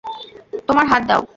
তোমার হাত দাও।